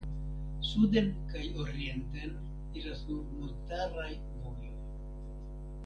Suden kaj orienten iras nur montaraj vojoj.